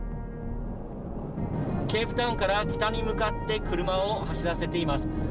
ケープタウンから北に向かって車を走らせています。